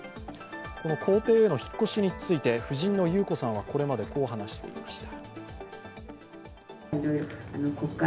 この公邸への引っ越しについて夫人の裕子さんはこれまで、こう話していました。